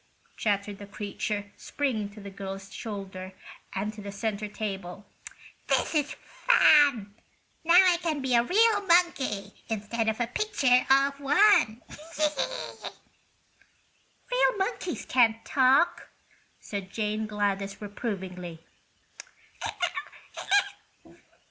chattered the creature, springing to the girl's shoulder and then to the center table. "This is great fun! Now I can be a real monkey instead of a picture of one." "Real monkeys can't talk," said Jane Gladys, reprovingly.